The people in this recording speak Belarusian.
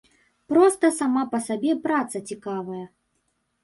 Проста сама па сабе праца цікавая.